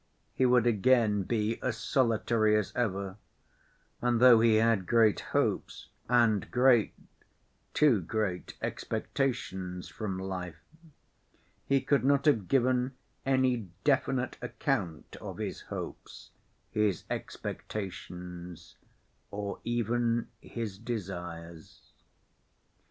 He would again be as solitary as ever, and though he had great hopes, and great—too great—expectations from life, he could not have given any definite account of his hopes, his expectations, or even his desires.